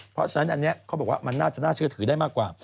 เพราะฉะนั้นอันนี้เขาบอกว่ามันน่าจะน่าเชื่อถือได้มากกว่า